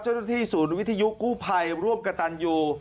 เจ้าหน้าที่ศูนย์วิทยุกู้ภัยร่วมกับตันยู